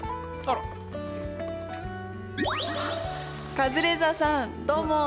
カズレーザーさんどうも。